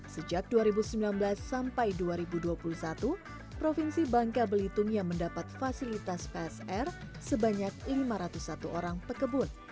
sejak dua ribu sembilan belas sampai dua ribu dua puluh satu provinsi bangka belitung yang mendapat fasilitas psr sebanyak lima ratus satu orang pekebun